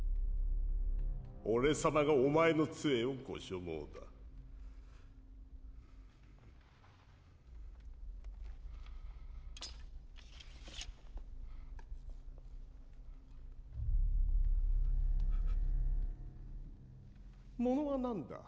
俺様がお前の杖をご所望だものは何だ？